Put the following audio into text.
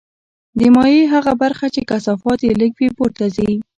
د مایع هغه برخه چې کثافت یې لږ وي پورته ځي.